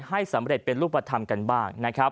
ให้สำเร็จเป็นรูปธรรมกันบ้างนะครับ